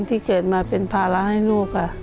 ที่เกิดมาเป็นภาระให้ลูกค่ะ